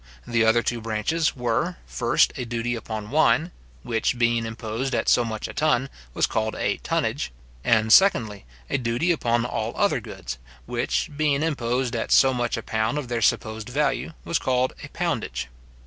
The other two branches were, first, a duty upon wine, which being imposed at so much a ton, was called a tonnage; and, secondly, a duty upon all other goods, which being imposed at so much a pound of their supposed value, was called a poundage.